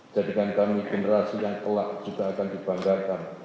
jadikan kami generasi yang telak juga akan dibanggakan